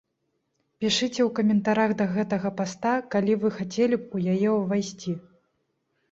Пішыце ў каментарах да гэтага паста, калі вы хацелі б у яе увайсці.